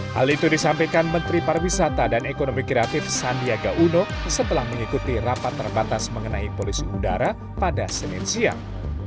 hal itu disampaikan menteri pariwisata dan ekonomi kreatif sandiaga uno setelah mengikuti rapat terbatas mengenai polisi udara pada senin siang